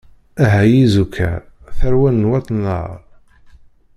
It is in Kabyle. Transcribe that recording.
Ah ay izukar, tarwa n wat lɛaṛ.